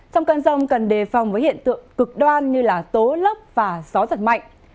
trong cơn rông cần đề phòng với hiện tượng cực đoan như tố lốc và gió giật mạnh